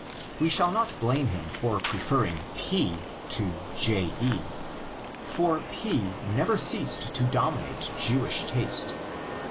We shall not blame him for preferring P to JE, for P never ceased to dominate Jewish taste.